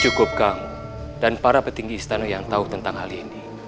cukup kamu dan para petinggi istana yang tahu tentang hal ini